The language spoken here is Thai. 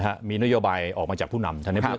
มีนโยบายออกมาจากผู้นำทัน